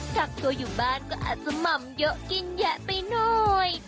กักตัวอยู่บ้านก็อาจจะหม่อมเยอะกินแยะไปหน่อย